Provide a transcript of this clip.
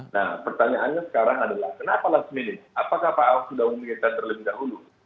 nah pertanyaannya sekarang adalah kenapa last minute apakah pak ahok sudah memikirkan terlebih dahulu